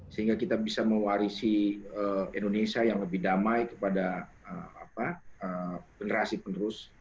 sehingga kita bisa mewarisi indonesia yang lebih damai kepada generasi penerus